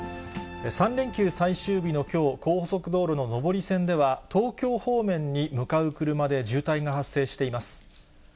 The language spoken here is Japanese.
３連休最終日のきょう、高速道路の上り線では、東京方面に向かう車で渋滞が発生しています。